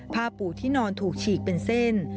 ผ้าปูที่นอนถูกฉีกเป็นเส้น